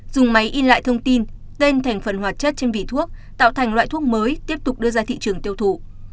dùng máy in lại thông tin tên thành phần hoạt chất trên vỉ thuốc tạo thành loại thuốc mới tiếp tục đưa ra thị trường tiêu thụ